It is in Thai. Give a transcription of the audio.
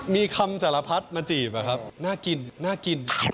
มีคำจรพรรดิมาจีบครับน่ากินน่ากิน